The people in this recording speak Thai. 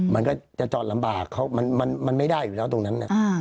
มันก็จะจอดลำบากมันไม่ได้อยู่แล้วตรงนั้น